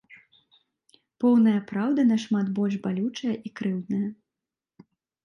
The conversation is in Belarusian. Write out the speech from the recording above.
Поўная праўда нашмат больш балючая і крыўдная.